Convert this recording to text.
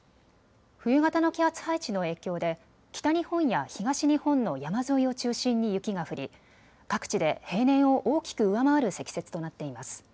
冬型の気圧配置の影響で北日本や東日本の山沿いを中心に雪が降り各地で平年を大きく上回る積雪となっています。